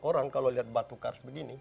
orang kalau lihat batu kars begini